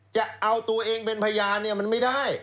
จะเอาตัวเองเป็นพยานเนี่ยมันไม่ได้